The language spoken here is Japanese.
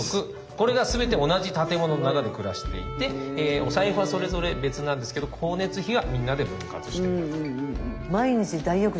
これが全て同じ建物の中で暮らしていてお財布はそれぞれ別なんですけど光熱費はみんなで分割していると。